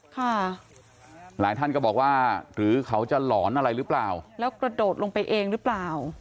ค่ะหลายท่านก็บอกว่าหรือเขาจะหลอนอะไรหรือเปล่าแล้วกระโดดลงไปเองหรือเปล่า